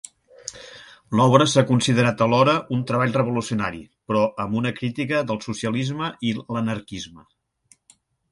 L'obra s'ha considerat alhora un treball revolucionari però amb una crítica del socialisme i l'anarquisme.